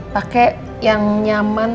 pakai yang nyaman